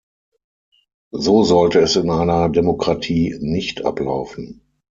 So sollte es in einer Demokratie nicht ablaufen.